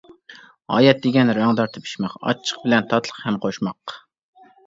ھايات دېگەن رەڭدار تېپىشماق، ئاچچىق بىلەن تاتلىق ھەم قوشماق.